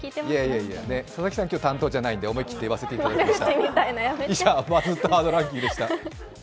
佐々木さん、今日担当じゃないんで思い切って言わせてもらいました。